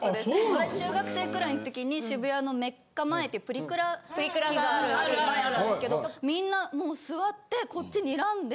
私中学生くらいの時に渋谷のメッカ前ってプリクラ機が前あったんですけどみんなもう座ってこっち睨んで。